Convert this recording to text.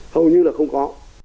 hầu như không có